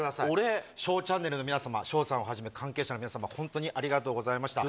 ＳＨＯＷチャンネルの皆さん、翔ちゃんをはじめ、関係者の皆様、本当にありがとうございました。